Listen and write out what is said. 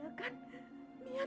walaupun apa ibu